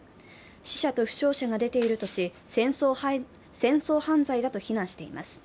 死者と負傷者が出ているとし戦争犯罪だと非難しています。